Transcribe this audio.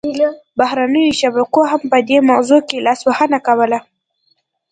بهرنیو شبکو هم په دې موضوع کې لاسوهنه کوله